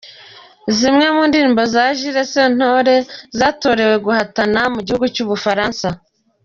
Zimwe mu ndirimbo za Jules Sentore zatorewe guhatana mu gihugu cy’u Bufaransa .